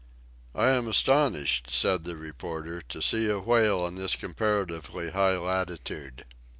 "I am astonished," said the reporter, "to see a whale in this comparatively high latitude."